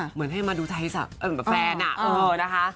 เหมือนให้มาดูทัศน์แฟนอ่ะเออนะคะ